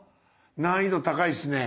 難易度高いっすね！